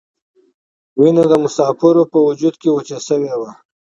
وینه د مسافرو په وجود کې وچه شوې وه.